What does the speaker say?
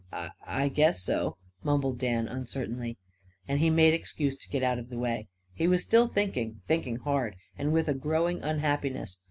"I I guess so," mumbled Dan uncertainly. And he made excuse to get out of the way. He was still thinking; thinking hard and with a growing unhappiness.